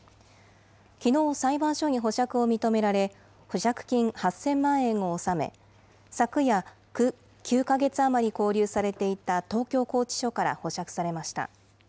きのう、裁判所に保釈を認められ、保釈金８０００万円を納め、昨夜、９か月余り勾留されていた東京拘置所から保釈されました。